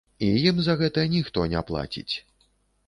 І ім за гэта ніхто не плаціць.